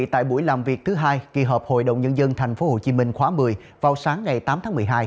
tại buổi làm việc thứ hai kỳ họp hội đồng nhân dân tp hcm khóa một mươi vào sáng ngày tám tháng một mươi hai